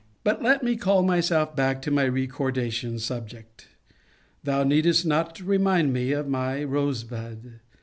But let me call myself back to my recordation subject Thou needest not remind me of my Rosebud.